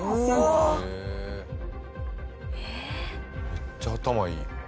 めっちゃ頭いい。